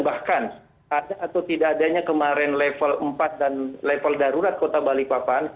bahkan ada atau tidak adanya kemarin level empat dan level darurat kota balikpapan